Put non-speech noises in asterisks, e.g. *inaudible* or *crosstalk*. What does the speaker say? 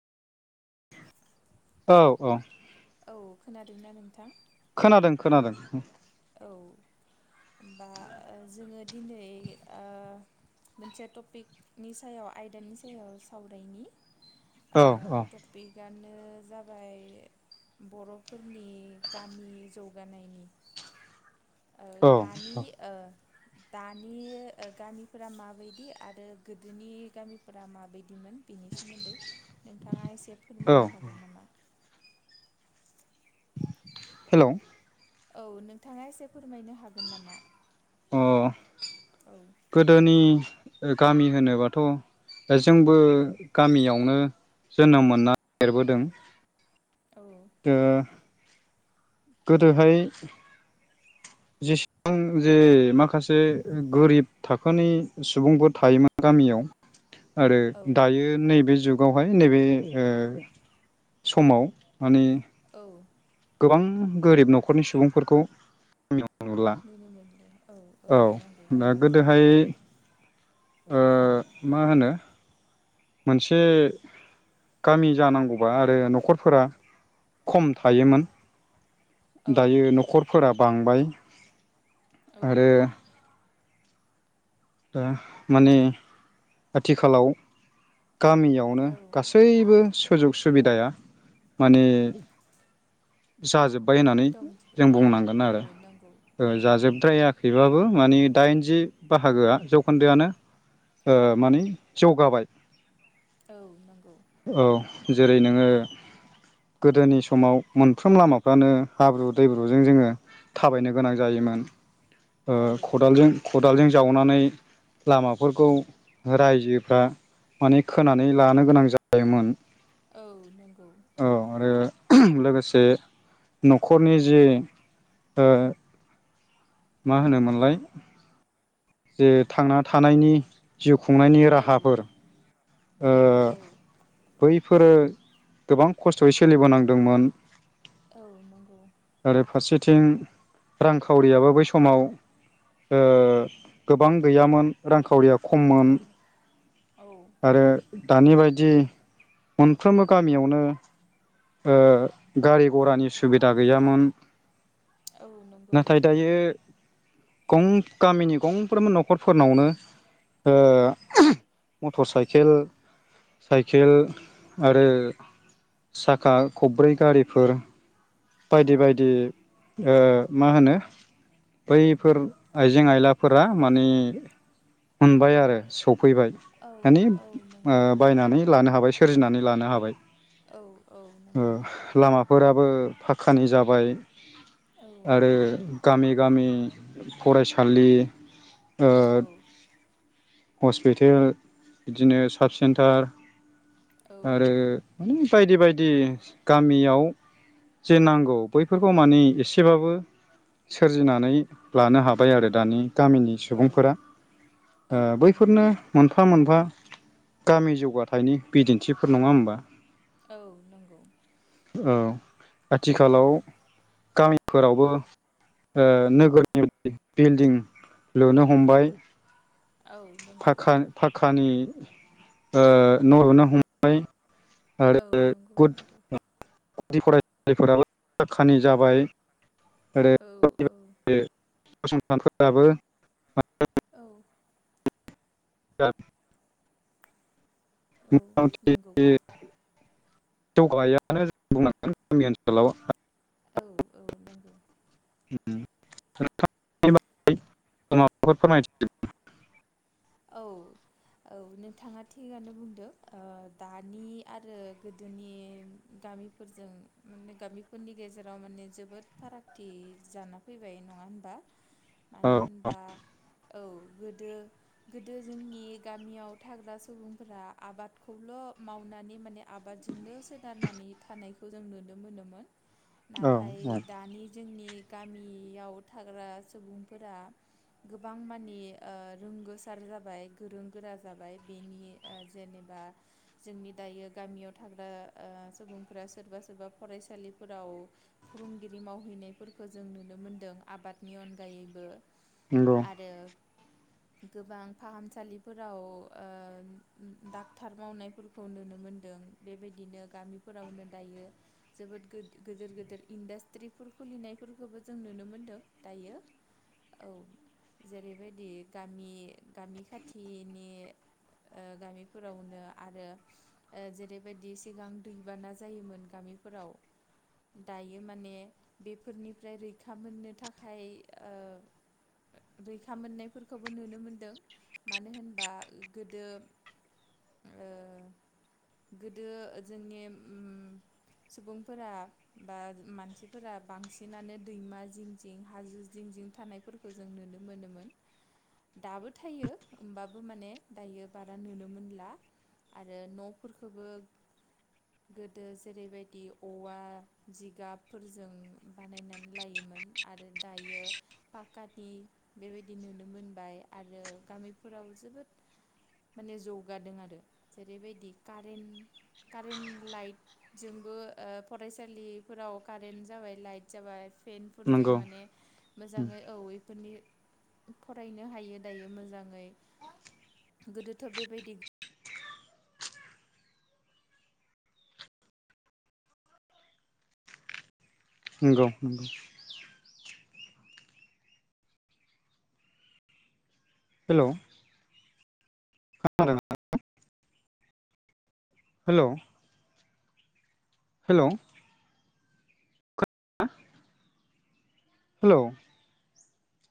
औ औ औ खोनादोंना नोंथां खोनादों खोनादों औ होनबा जोंङो दिनै मोनसे टपिकनि सायाव आयदानि सायाव सावरायनि औ औ गानो जाबाय बर'फोरनि गामि जौगानायनि ओ औ दानि औ ओ दानि गामिफोरा माबायदि आरो गोदोनि गामिफोरा माबायदिमोन बेनि सोमोन्दै नोंथाङा एसे औ फोरमायनो हागोन नामा हेलौ औ नोंथाङा एसे फो फोरमायनो हागोन नामा अ औ *inaudible* गोदोनि गामि होनोबाथ' जोंबो गामियावनो जोनोम मोनना देरबोदों औ दा गोदोहाय जेसेबां जे माखासे गोरिब थाखोनि सुबुंफोर थायोमोन गामियाव आरो औ दायो नैबे जुग गावहाय नैबे समाव माने औ गोबां गोरिब न'खरनि सुबुंफोरखौ *unintelligible* नुनो मोनला औ औ नंगौ दा नंगौ गोदोहाय ओ मा होनो मोनसे गामि जानांगौबा आरो न'खरफोरा खम औ थायोमोन औ दायो न'खरफोरा बांबाय औ आरो दा माने आथिखालाव गामियावनो औ गासैबो सुजुग सुबिदाया माने जाजोब बाय होननानै दंजोबो जों औ बुंनांगोन औ आरो नंगौ ओ नंगौ नंगौ जाजोबद्रायाखैबाबो माने दाइनजि बाहागोआ जौखोन्दोआनो ओ माने जौगाबाय औ नंगौ औ जेरै नोङो गोदोनि समाव मोनफ्रोम लामाफ्रानो हाब्रु दैब्रुजों जोङो थाबायनो गोनां औ जायोमोन ओ औ नंगौ खादालजों खदालजों जावनानै लामाफोरखौ रायजोफ्रा माने खोनानै लानो गोनां जायोमोन। औ नोंगौ औ आरो लोगोसे न'खरनि जि ओ मा होनोमोनलाय जे थांना थानायनि जिउ खुंनायनि औ राहाफोर ओ औ औ बैफोरो गोबां खस्थ'यै सोलिबोनांदोंमोन। औ नोंगौ थिं रांखावरियाबो बै समाव ओ गोबां गैयामोन रांखावरिया खममोन औ औ आरो दानि बायदि मोनफ्रोमबो गामियावनो ओ गारि गरानि सुबिदा गैयामोन। औ नंगौ नाथाय दायो गं गामिनि गंफ्रोमबो न'खरफोरनावनो ओ मटर साइखेल खेल आरो साखा खब्रै गारिफोर औ बायदि बायदि ओ मा होनो बैफोर आइजें आयलाफोरा माने मोनबाय आरो सफैबाय औ माने औ ओ नंगौ बायनानै लानो हाबाय। सोरजिनानै लानो हाबाय। औ औ नोंगौ फोराबो फाकखानि जाबाय औ औ आरो गामि गामि फरायसालि ओ हस्पिटेल बिदिनो साब सेन्टार आरो माने बायदि बायदि गामियाव जे नांगौ बैफोरखौ मानि एसेबाबो सोरजिनानै लानो हाबाय आरो दानि गामिनि औ सुबुंफोरा ओ औ नंगौ बैफोरनो नंगौ मोनफा मोनफा गामि जौगाथायनि बिदिन्थिफोर नङा होमबा औ नंगौ औ औ आथिखालाव गामि फोरावबो ओ नोगोरनि बिल्डिं लुनो हमबाय। औ नंगौ पागखा पाखानि ओ न' लुनो हमबाय औ नंगौ नंगौ *unintelligible* जायफोराबो खानि जाबाय आरो औ औ फसंथानफोराबो औ *unintelligible* *unintelligible* औ मथामथि नंगौ जौगायानो जों बुंनांगोन गामि ओनसोलाव औ औ नोंगौ उम *unintelligible* माबाफोर फोरमायथि औ औ नोंथाङा थिगानो बुंदों दानि आरो गोदोनि गामिफोरजों माने गामिफोरनि गेजेराव माने जोबोद फारागथि जाना फैबाय नङा होमबा औ मानो औ होनबा औ गोदो गोदो जोंनि गामियाव थाग्रा सुबुंफोरा आबादखौल मावनानै माने आबादजोंनो सोनारनानि थानायखौ जों नुनो मोनोमोन नाथाय दानि जोंनि गामियाव थाग्रा सुबुंफोरा गोबां मानि ओ‌ रोंगो सार जाबाय गोरों गोरा जाबाय बेनि जेनेबा जोंनि दायो गामियाव थाग्रा ओ सुबुंफोरा सोरबा सोरबा फरायसालिफोराव फोरोंगिरि मावहैनायफोरखौ जों नुनो मोनदों आबादनि अनगायैबो नंगौ आरो गोबां फाहामसालिफोराव ओ डाक्टार मावनायफोरखौ नुनो मोनदों बेबायदिनो गामिफोरावनो दायो जोबोद गोदोर गोदोर इन्डास्ट्रिफोर खुलिनायफोरखौबो जों नुनो मोनदों दायो औ जेरैबायदि गामि गामि खाथिनि ओ गामिफोरावनो आरो जेरैबायदि सिगां दैबाना जायोमोन गामिफोराव दायो माने बेफोरनिफ्राय रैखा मोननो थाखाय ओ रैखा मोननायफोरखौबो नुनो मो नो मानो होनबा गोदो ओ गोदो जोंनि ओम सुबुंफोरा बा मानसिफोरा बांसिनानो दैमा जिं जिं हाजो जिं जिं थानायफोरखौ जों नुनो मोनोमोन दाबो थायो होमबाबो माने दायो बारा नुनो मोनला आरो नफोरखोबो गोदो जेरैबायदि औवा जिगाबफोरजों बानायनानै लायोमोन आरो दायो पाकानि बेबायदि नुनो मोनबाय आरो गामिफोराव जोबोद माने जौगादों आरो जेरैबायदि कारेन्ट कारेन्ट लाइटजोंबो फरायसालिफोराव कारेन्ट जाबाय लाइट जाबाय पेेनफोरजों नंगौ माने मोजाङै औ इफोरनि फरायनो हायो दायो मोजाङै गोदोथ' बेबायदि नंगौ नंगौ हेलौ खोनादों ना *unintelligible* हेलौ हेलौ *unintelligible* हेलौ